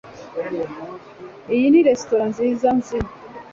Iyi ni resitora nziza nzi